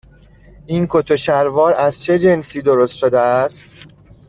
این کت و شلوار از چه جنسی درست شده است؟